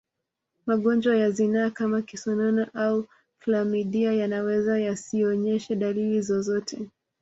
Magonjwa ya zinaa kama kisonono au klamidia yanaweza yasionyeshe dalili zozote